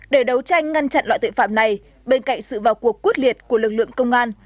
để đấu tranh ngăn chặn loại tội phạm này bên cạnh sự vào cuộc quyết liệt của lực lượng công an